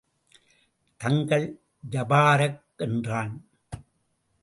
தங்கள் ஜபாரக் என்றான்.